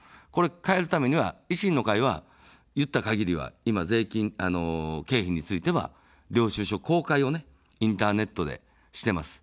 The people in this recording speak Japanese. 変えるためには維新の会は言った限りは、今、経費については、領収書公開をインターネットでしています。